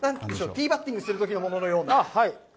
ティーバッティングするときのもののような。